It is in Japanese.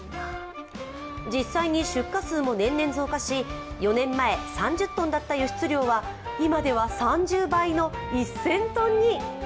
実際に出荷数も年々増加し４年前、３０ｔだった輸出量は今では３０倍の１０００ｔに。